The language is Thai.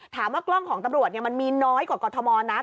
กล้องของตำรวจมันมีน้อยกว่ากรทมนะ